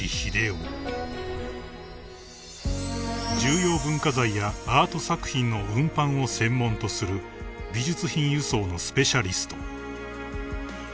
［重要文化財やアート作品の運搬を専門とする美術品輸送のスペシャリスト］